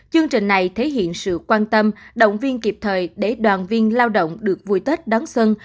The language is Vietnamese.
chương trình này thể hiện sự quan tâm động viên kịp thời để đoàn viên lao động được vui tết đón xuân